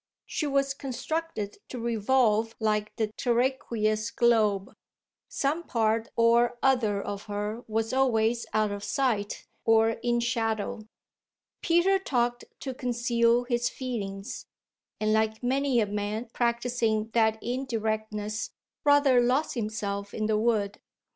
She was constructed to revolve like the terraqueous globe; some part or other of her was always out of sight or in shadow. Peter talked to conceal his feelings, and, like many a man practising that indirectness, rather lost himself in the wood.